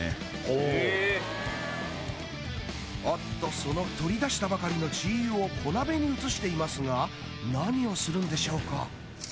へぇおっとその取り出したばかりの鶏油を小鍋に移していますが何をするんでしょうか？